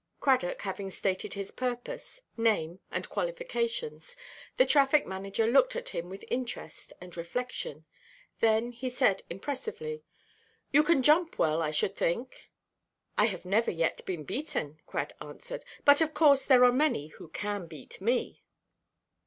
Cradock, having stated his purpose, name, and qualifications, the traffic–manager looked at him with interest and reflection. Then he said impressively, "You can jump well, I should think?" "I have never yet been beaten," Crad answered, "but of course there are many who can beat me."